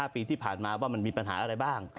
ปีที่ผ่านมาว่ามันมีปัญหาอะไรบ้าง